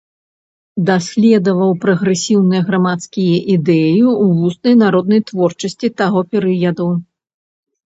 Даследаваў прагрэсіўныя грамадскія ідэі ў вуснай народнай творчасці таго перыяду.